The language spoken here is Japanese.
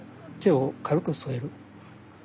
はい軽く添える。